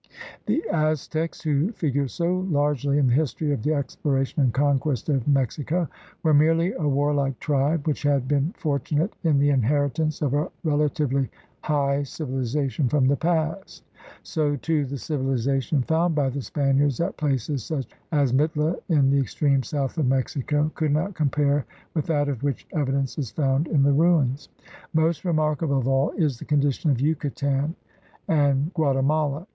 The Aztecs, who figure so largely in the history of the exploration and conquest of Mexico, were merely a warlike tribe which had been fortunate in the inheritance of a relatively high civilization from the past. So, too, the civilization found by the Spaniards at places such as Mitla, in the ex treme south of Mexico, could not compare with that of which evidence is found in the ruins. Most remarkable of all is the condition of Yucatan and Guatemala.